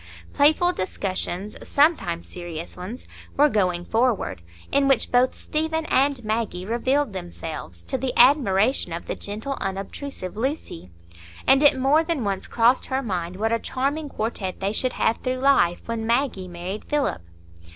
Playful discussions—sometimes serious ones—were going forward, in which both Stephen and Maggie revealed themselves, to the admiration of the gentle, unobtrusive Lucy; and it more than once crossed her mind what a charming quartet they should have through life when Maggie married Philip.